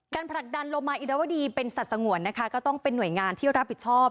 ผลักดันโลมาอินวดีเป็นสัตว์สงวนนะคะก็ต้องเป็นหน่วยงานที่รับผิดชอบ